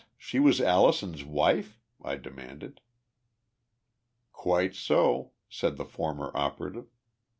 She was Allison's wife?" I demanded. "Quite so," said the former operative.